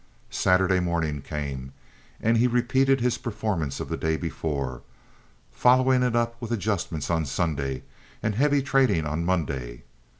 Saturday morning came, and he repeated his performance of the day before, following it up with adjustments on Sunday and heavy trading on Monday.